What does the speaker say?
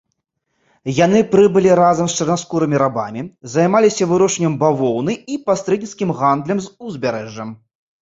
Яны прыбылі разам з чарнаскурымі рабамі, займаліся вырошчваннем бавоўны і пасрэдніцкім гандлем з узбярэжжам.